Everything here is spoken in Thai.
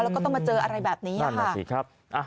แล้วก็ต้องมาเจออะไรแบบนี้ค่ะ